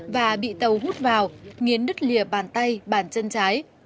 và bị tàu hút vào nghiến đứt lìa bàn tay bàn chân trái